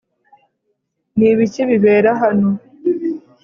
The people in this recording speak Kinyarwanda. Ni ibiki bibera hano